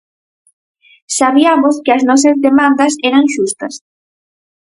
Sabiamos que as nosas demandas eran xustas.